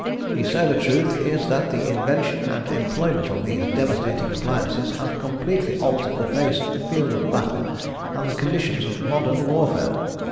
The sober truth is that the invention and employment of these devastating appliances have completely altered the face of the field of battle and the conditions of modern warfare.